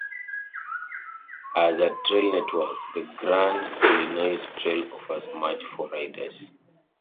As a trail network, the Grand Illinois Trail offers much for riders.